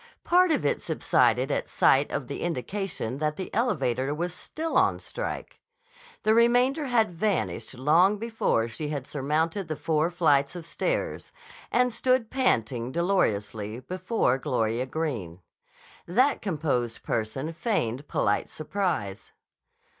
Part of it subsided at sight of the indication that the elevator was still on strike. The remainder had vanished long before she had surmounted the four flights of stairs and stood panting dolorously before Gloria Greene. That composed person feigned polite surprise.